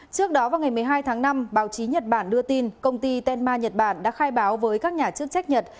trước đó vào ngày một mươi hai tháng năm báo chí nhật bản đưa tin công ty tenma nhật bản đã khai báo với các nhà chức trách nhật